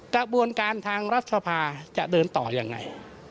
กระบวนการทางรัฐสภาจะเดินต่อยังไง